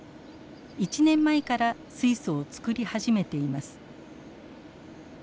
１年前から水素を作り始めています。